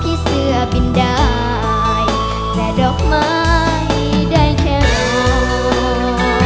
ที่เสื้อบินได้แต่ดอกไม้ได้แค่รอ